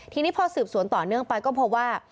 ทีนี้พอสืบสวนต่อเนื่องไปก็พบว่า